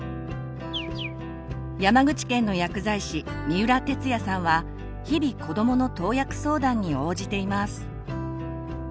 山口県の薬剤師三浦哲也さんは日々子どもの投薬相談に応じています。